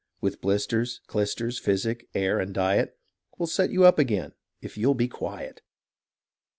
With blisters, clysters, physic, air, and diet, Will set you up again if you'll be quiet.